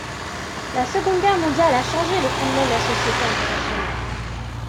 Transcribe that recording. La Seconde Guerre mondiale a changé le fondement de la société internationale.